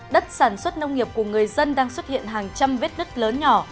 đất sản xuất nông nghiệp của người dân đang xuất hiện hàng trăm vết nứt lớn nhỏ